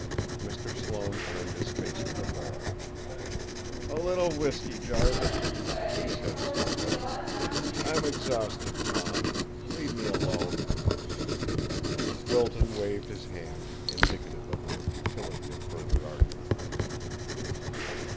Mr. Sloane turned his face to the wall. "A little whiskey, Jarvis," he said softly. "I'm exhausted, Tom. Leave me alone." Wilton waved his hand, indicative of the futility of further argument.